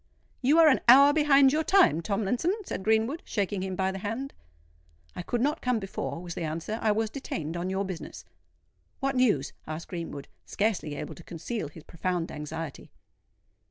"You are an hour behind your time, Tomlinson," said Greenwood, shaking him by the hand. "I could not come before," was the answer: "I was detained on your business." "What news?" asked Greenwood, scarcely able to conceal his profound anxiety.